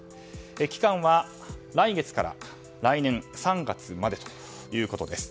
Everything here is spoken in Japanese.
期間は来月から来年３月までということです。